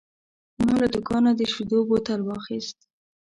ما له دوکانه د شیدو بوتل واخیست.